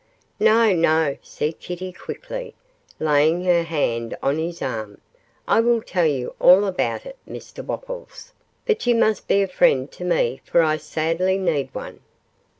'No, no,' said Kitty, quickly, laying her hand on his arm, 'I will tell you all about it, Mr Wopples; but you must be a friend to me, for I sadly need one.